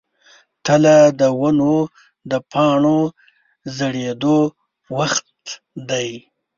تله د ونو د پاڼو ژیړیدو وخت دی.